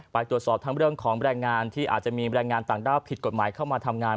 ไปตรวจสอบทั้งเรื่องของแรงงานที่อาจจะมีแรงงานต่างด้าวผิดกฎหมายเข้ามาทำงาน